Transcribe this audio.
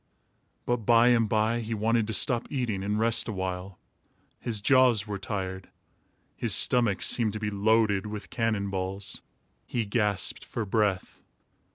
But by and by, he wanted to stop eating and rest a while. His jaws were tired. His stomach seemed to be loaded with cannon balls. He gasped for breath.